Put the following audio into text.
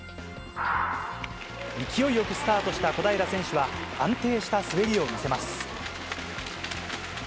勢いよくスタートした小平選手は、安定した滑りを見せます。